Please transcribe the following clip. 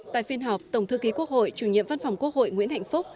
tại phiên họp tổng thư ký quốc hội chủ nhiệm văn phòng quốc hội nguyễn hạnh phúc